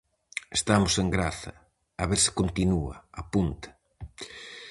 "Estamos en graza, a ver se continúa", apunta.